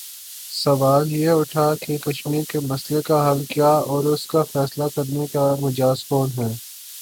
سوال یہ اٹھتا کہ کشمیر کے مسئلے کا حل کیا اور اس کا فیصلہ کرنے کا مجاز کون ہے؟